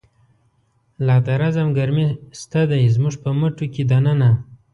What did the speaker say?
لادرزم ګرمی شته دی، زموږ په مټوکی دننه